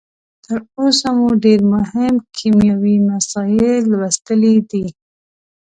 تر اوسه مو ډیر مهم کیمیاوي مسایل لوستلي دي.